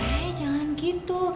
eh jangan gitu